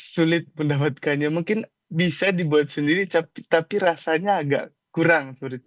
sulit mendapatkannya mungkin bisa dibuat sendiri tapi rasanya agak kurang sulit